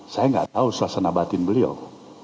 saya nggak tahu suasana batin beliau